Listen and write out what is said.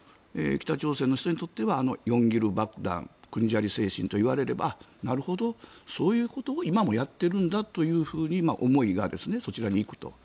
北朝鮮の人にとってはヨンギル爆弾、クンジャリ精神と言われればなるほど、そういうことを今もやってるんだというふうに思いがそちらに行くと。